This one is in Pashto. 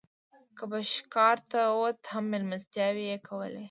که به ښکار ته ووت هم مېلمستیاوې یې کولې.